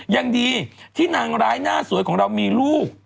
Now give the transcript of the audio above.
ยังดีที่นางร้ายหน้าสวยของเรามีลูก